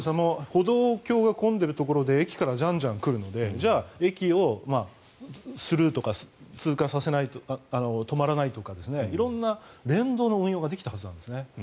歩道橋が混んでいるところで駅からじゃんじゃん来るのでじゃあ、駅をスルーとか通過させない、止まらないとか色んな連動の運用ができたはずなんですね。